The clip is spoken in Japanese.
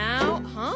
はあ？